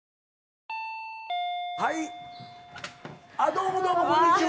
どうもどうもこんにちは。